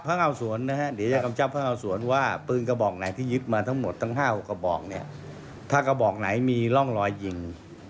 ครับอันนี้มันาโดนถึงขนาดเสียชีวิต